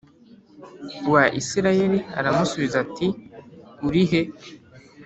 wa Isirayeli aramusubiza ati urihe